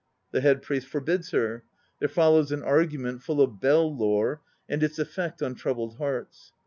The head priest forbids her. There follows an argument full of bell lore, and its effect on troubled hearts.